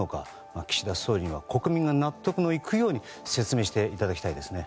岸田総理は国民が納得のいくように説明していただきたいですね。